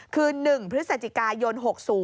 คือ๑พฤศจิกายน๖๐